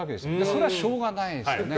それはしょうがないですよね。